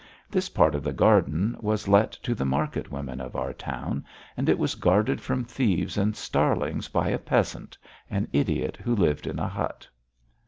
This part of the garden was let to the market women of our town, and it was guarded from thieves and starlings by a peasant an idiot who lived in a hut.